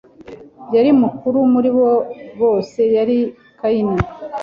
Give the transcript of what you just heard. Yari mukuru muri bo bose yari Kayini